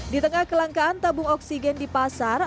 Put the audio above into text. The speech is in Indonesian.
di tengah kelangkaan tabung oksigen di pasar